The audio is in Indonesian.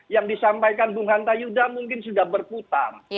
yang disampaikan bung hanta yudha mungkin sudah berputar